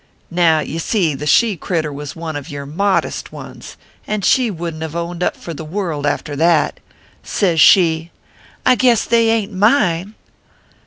" Now, ye see, the she critter was one of yer modest ones, and she wouldn t have owned up for the world, after that. Says she :"( I guess they ain t mine.